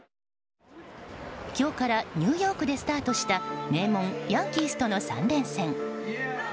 今日からニューヨークでスタートした名門ヤンキースとの３連戦。